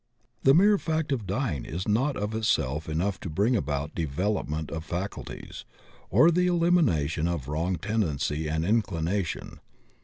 The mere fact of dying is not of itself enough to bring about development of faculties or the elimina tion of wrong tendency and inclination.